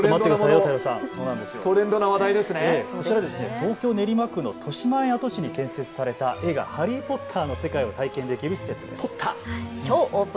東京練馬区のとしまえん跡地に建設された映画、ハリー・ポッターの世界を体験できる施設です。